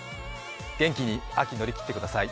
元気に秋、乗り切ってください。